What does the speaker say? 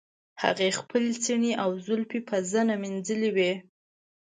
هغې خپلې څڼې او زلفې په زنه مینځلې وې.